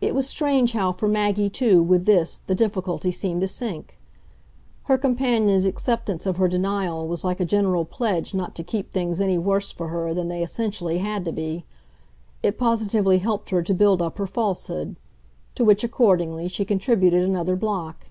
It was strange how for Maggie too, with this, the difficulty seemed to sink. Her companion's acceptance of her denial was like a general pledge not to keep things any worse for her than they essentially had to be; it positively helped her to build up her falsehood to which, accordingly, she contributed another block.